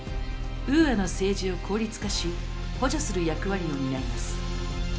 ウーアの政治を効率化し補助する役割を担います。